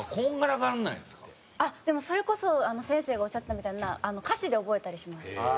でもそれこそ先生がおっしゃってたみたいな歌詞で覚えたりします。